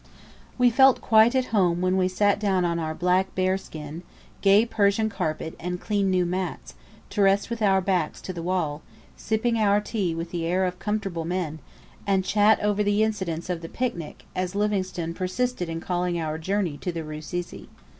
We felt quite at home when we sat down on our black bear skin, gay Persian carpet and clean new mats, to rest with our backs to the wall, sipping our tea with the air of comfortable men, and chat over the incidents of the "picnic," as Livingstone persisted in calling our journey to the Rusizi.